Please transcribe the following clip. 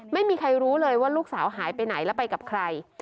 ไม่มีใครรู้เลยว่าลูกสาวหายไปไหนแล้วไปกับใคร